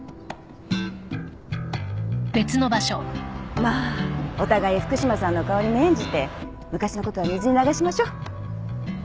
まあお互い福島さんの顔に免じて昔のことは水に流しましょう。